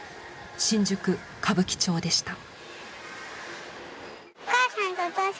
新宿歌舞伎町でした。